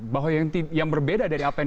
bahwa yang berbeda dari apa yang